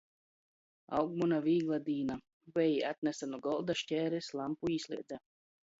Aug muna vīgla dīna! Vei, atnese nu golda škēris, lampu īslēdze.